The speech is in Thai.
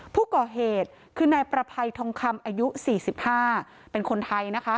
ผู้ก่อเหตุคือนายประภัยทองคำอายุ๔๕เป็นคนไทยนะคะ